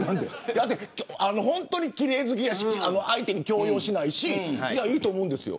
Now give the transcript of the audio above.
本当に奇麗好きやし相手に強要しないしいいと思うんです。